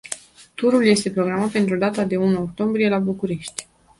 Turul este programat pentru data de unu octombrie, la București.